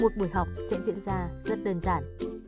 một buổi học sẽ diễn ra rất đơn giản